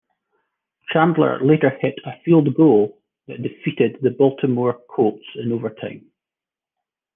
Chandler later hit a field goal that defeated the Baltimore Colts in overtime.